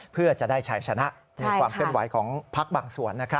เพื่อจะได้แชนชนะในความเกินไหวของพรรคบางส่วน